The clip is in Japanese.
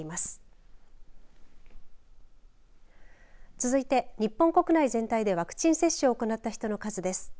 続いて日本国内全体でワクチン接種を行った人の数です。